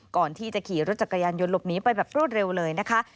ก่อนที่จะขี่รถจักรยานยนต์หลบหนีไปแบบรวดเร็วเลยนะคะ